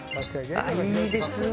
ああいいですね。